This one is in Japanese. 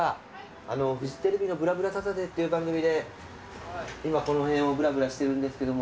あのうフジテレビの『ぶらぶらサタデー』っていう番組で今この辺をぶらぶらしてるんですけども。